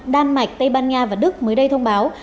đan mạch tây ban nha và đức mới đây thông báo